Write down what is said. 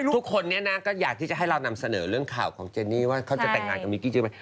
ทุกคนนี้นะก็อยากที่จะให้เรานำเสนอเรื่องข่าวของเจนี่ว่าเขาจะแต่งงานกับมิกกี้จริงไหม